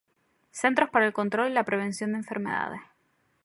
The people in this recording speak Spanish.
Centros para el Control y la Prevención de Enfermedades